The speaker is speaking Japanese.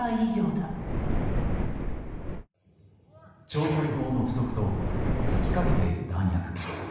長距離砲の不足と尽きかけている弾薬。